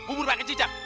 bubur pakai cicak